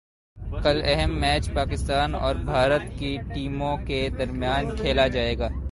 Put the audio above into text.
کل اہم میچ پاکستان اور بھارت کی ٹیموں کے درمیان کھیلا جائے گا